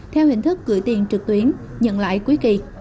theo hình thức gửi tiền trực tuyến nhận lãi cuối kỳ